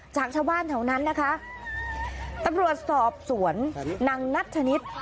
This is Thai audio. จากชาวบ้านเฉาห์นั้นนะคะตรวจสอบสวนนางนัทธนิส